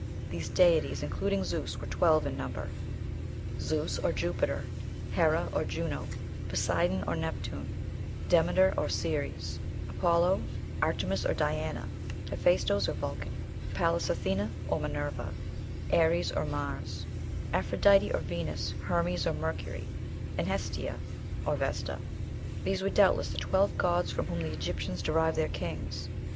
These deities, including Zeus, were twelve in number: Zeus (or Jupiter), Hera (or Juno), Poseidon (or Neptune), Demeter (or Ceres), Apollo, Artemis (or Diana), Hephæstos (or Vulcan), Pallas Athena (or Minerva), Ares (or Mars), Aphrodite (or Venus), Hermes (or Mercury), and Hestia (or Vesta)." These were doubtless the twelve gods from whom the Egyptians derived their kings.